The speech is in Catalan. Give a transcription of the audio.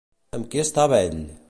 Amb qui estava ell?